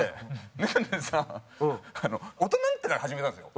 根建さん大人になってから始めたんですよ